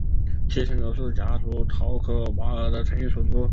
七层楼是夹竹桃科娃儿藤属的植物。